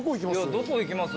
どこ行きます？